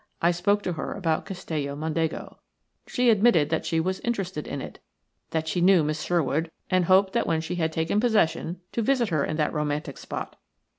I spoke to her about Castello Mondego. She admitted that she was interested in it, that she knew Miss Sherwood, and hoped when she had taken possession to visit her in that romantic spot.